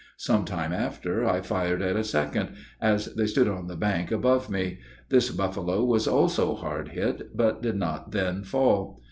Some time after, I fired at a second, as they stood on the bank above me; this buffalo was also hard hit, but did not then fall.